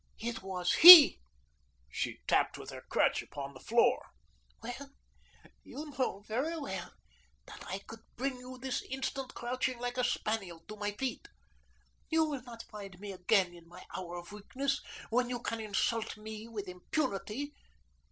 It was he!" She tapped with her crutch upon the floor. "Well, you know very well that I could bring you this instant crouching like a spaniel to my feet. You will not find me again in my hour of weakness, when you can insult me with impunity.